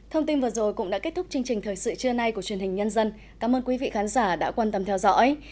thông tin vừa rồi cũng đã kết thúc chương trình thời sự trưa nay của truyền hình nhân dân cảm ơn quý vị khán giả đã quan tâm theo dõi